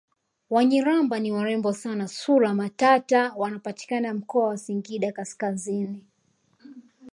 Wanyiramba ni warembo sana sura matata wanapatikana mkoa wa singida kaskazini